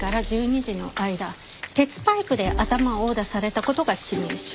鉄パイプで頭を殴打された事が致命傷。